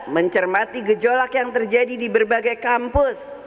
mencermati gejolak yang terjadi di berbagai kampus